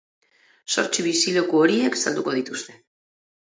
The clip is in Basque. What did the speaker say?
Zortzi bizileku horiek salduko dituzte.